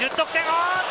おっと！